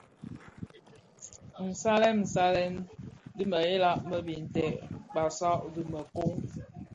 Nsalèn salèn dhi mëghèla më bitè, basag dhi měkoň,